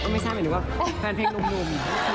ก็ไม่ใช่เหมือนหนูว่าแฟนเพลงลุม